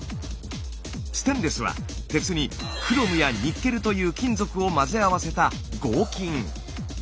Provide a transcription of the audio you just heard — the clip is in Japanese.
ステンレスは鉄にクロムやニッケルという金属を混ぜ合わせた合金。